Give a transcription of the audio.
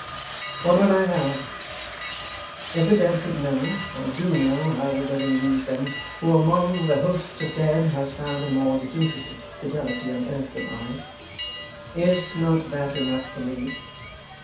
'What would I have? If the dead could know, or do know, how the living use them, who among the hosts of dead has found a more disinterested fidelity on earth than I? Is not that enough for me?